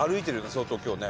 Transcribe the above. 相当今日ね。